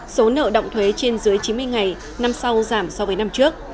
số nợ động thuế trên dưới chín mươi ngày năm sau giảm so với năm trước